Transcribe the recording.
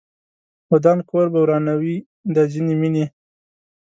ودان کور به ورانوي دا ځینې مینې